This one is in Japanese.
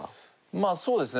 まあそうですね